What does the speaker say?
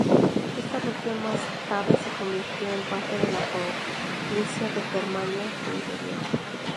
Esta región más tarde se convirtió en parte de la provincia de Germania Inferior.